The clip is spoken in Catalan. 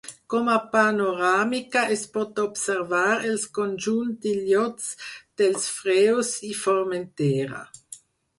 Com a panoràmica es pot observar els conjunt d'illots dels Freus i Formentera.